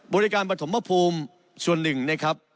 บริการปฐมภูมิส่วนหนึ่งนะครับ